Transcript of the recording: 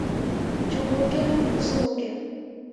جو ہو گیا سو ہو گیا